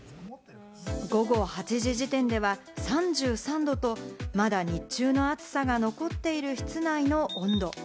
午後８時時点では３３度とまだ日中の暑さが残っている室内の温度。